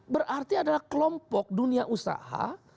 berarti adalah kelompok dunia usaha